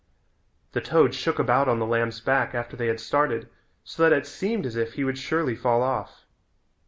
The toad shook about on the lamb's back after they had started so that it seemed as if he would surely fall off.